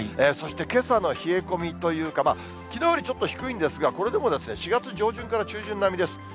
そしてけさの冷え込みというか、きのうよりちょっと低いんですが、これでも４月上旬から中旬並みです。